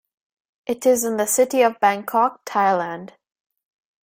It is in the city of Bangkok, Thailand.